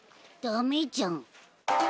ダメじゃん。